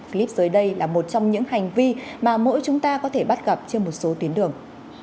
clip dưới đây là một trong những hành vi mà mỗi chúng ta có thể bắt gặp trên một số tuyến đường